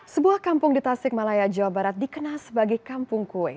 sebuah kampung di tasik malaya jawa barat dikenal sebagai kampung kue